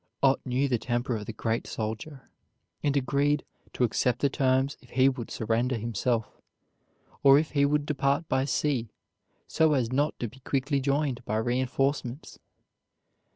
Ott knew the temper of the great soldier, and agreed to accept the terms if he would surrender himself, or if he would depart by sea so as not to be quickly joined by reinforcements.